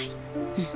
うん。